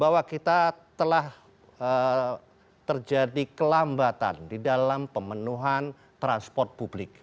bahwa kita telah terjadi kelambatan di dalam pemenuhan transport publik